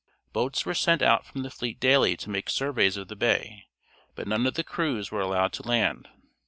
Boats were sent out from the fleet daily to make surveys of the bay, but none of the crews were allowed to land.